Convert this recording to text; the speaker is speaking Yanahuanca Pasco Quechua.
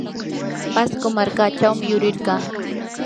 pasco markachawmi yurirqaa.